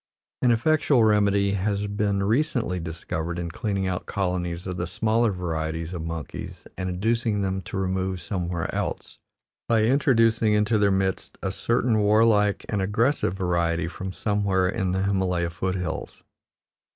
An effectual remedy has been recently discovered in cleaning out colonies of the smaller varieties of monkeys and inducing them to remove somewhere else, by introducing into their midst a certain warlike and aggressive variety from somewhere in the Himalaya foot hills.